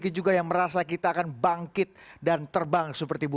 untuk investasi pendidikan itu perlu